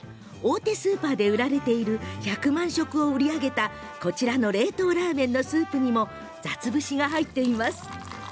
大手スーパーで売られている１００万食を売り上げた冷凍ラーメンのスープにも雑節が入っています。